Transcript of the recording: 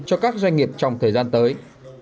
cho các doanh nghiệp trong thời gian tới